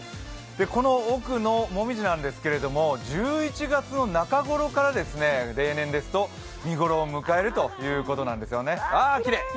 この奥のもみじなんですけども、１１月の中ごろから例年ですと、見頃を迎えるということなんですよね。